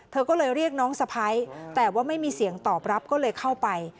เธอก็เลยเรียกน้องสะพ้ายแต่ว่าไม่มีเสียงตอบรับก็เลยเข้าไป